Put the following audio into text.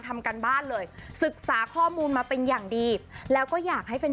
ทำการบ้านเลยศึกษาข้อมูลมาเป็นอย่างดีแล้วก็อยากให้แฟน